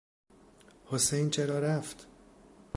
حسین چرا رفت؟